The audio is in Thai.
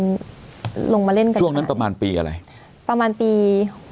ตู้ลงมาเล่นกันประมาณปีอะไรประมาณปี๖๑๖๒